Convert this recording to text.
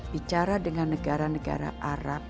bicara dengan negara negara arab